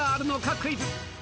クイズ。